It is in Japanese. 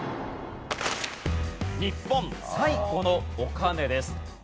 日本最古のお金です。